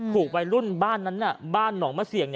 ถูกไว้รุ่นบ้านนั้นน่ะบ้านหนองมาเศียง